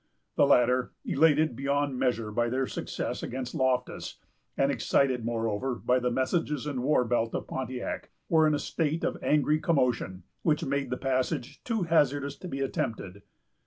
The latter, elated beyond measure by their success against Loftus, and excited, moreover, by the messages and war belt of Pontiac, were in a state of angry commotion, which made the passage too hazardous to be attempted.